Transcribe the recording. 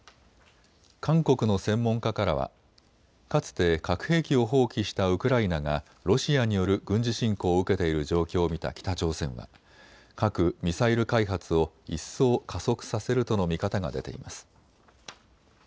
韓国の専門家からはかつて核兵器を放棄したウクライナがロシアによる軍事侵攻を受けている状況を見た北朝鮮は核・ミサイル開発を一層加速させるとの見方が出ています。